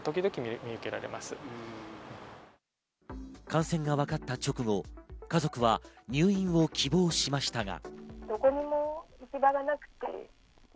感染がわかった直後、家族は入院を希望しましたが。